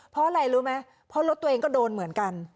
เพราะอะไรรู้ไหมเพราะรถตัวเองก็โดนเหมือนกัน